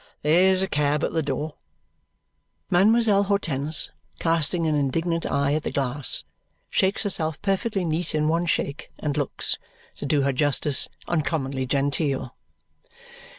There's a cab at the door." Mademoiselle Hortense, casting an indignant eye at the glass, shakes herself perfectly neat in one shake and looks, to do her justice, uncommonly genteel.